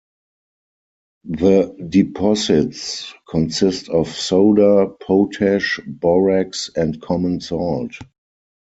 The deposits consist of soda, potash, borax and common salt.